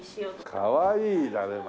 かわいいだるまね。